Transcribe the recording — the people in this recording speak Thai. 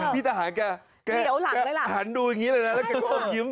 พี่ทหารก็หันดูอย่างนี้เลยแล้วก็โกบยิ้ม